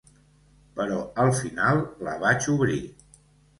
Però al final la vaig obrir.